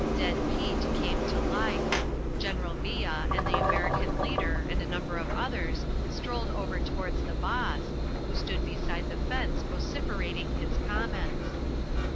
Dead Pete came to life. General Villa and the American leader and a number of others strolled over towards the boss, who stood beside the fence vociferating his comments.